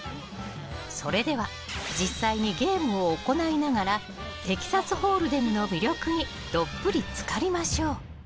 それでは実際にゲームを行いながらテキサスホールデムの魅力にどっぷり浸かりましょう。